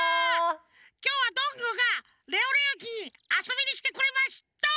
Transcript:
きょうはどんぐーがレオレオ駅にあそびにきてくれました！